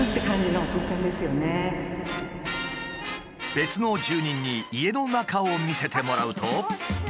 別の住人に家の中を見せてもらうと。